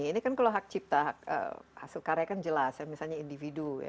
ini kan kalau hak cipta hasil karya kan jelas ya misalnya individu ya